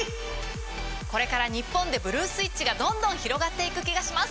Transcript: これから日本でブルー・スイッチがどんどん広がっていく気がします